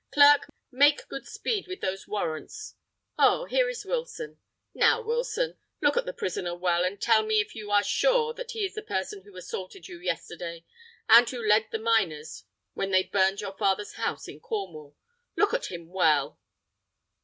"Clerk, make good speed with those warrants! Oh! here is Wilson. Now, Wilson, look at the prisoner well, and tell me if you are sure that he is the person who assaulted you yesterday, and who led the miners when they burned your father's house in Cornwall. Look at him well!"